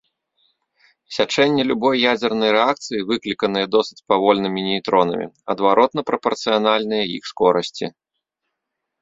Сячэнне любой ядзернай рэакцыі, выкліканае досыць павольнымі нейтронамі, адваротна прапарцыянальнае іх скорасці.